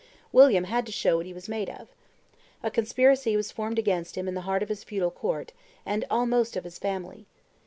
William had to show what he was made of. A conspiracy was formed against him in the heart of his feudal court, and almost of his family.